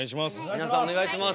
皆さんお願いします。